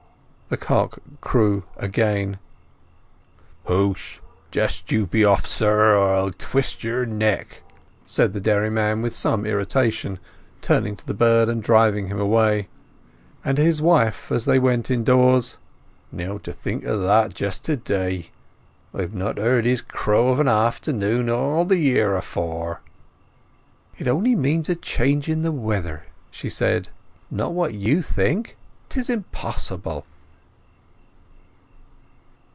The cock crew again. "Hoosh! Just you be off, sir, or I'll twist your neck!" said the dairyman with some irritation, turning to the bird and driving him away. And to his wife as they went indoors: "Now, to think o' that just to day! I've not heard his crow of an afternoon all the year afore." "It only means a change in the weather," said she; "not what you think: 'tis impossible!"